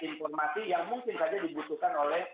informasi yang mungkin saja dibutuhkan oleh